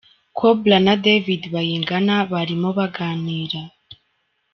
Cobra na David Bayingana barimo baganira.